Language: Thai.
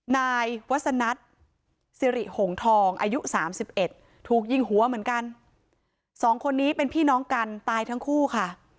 นายวัสนัทสิริหงทองอายุสามสิบเอ็ดถูกยิงหัวเหมือนกันสองคนนี้เป็นพี่น้องกันตายทั้งคู่ค่ะ